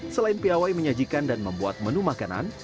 selain piawai menyajikan dan membuat menu makanan